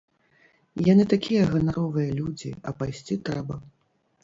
Яны такія ганаровыя людзі, а пайсці трэба.